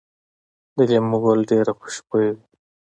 د لیمو ګل ډیر خوشبويه وي؟